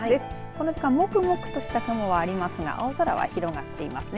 この時間モクモクとした雲がありますが青空が広がってますね。